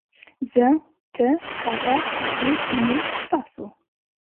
زۀ ، تۀ ، هغه ، هغوی ، موږ ، تاسو